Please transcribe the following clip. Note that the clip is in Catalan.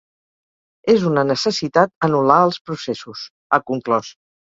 “És una necessitat anul·lar els processos”, ha conclòs.